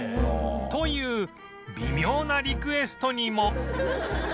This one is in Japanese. という微妙なリクエストにも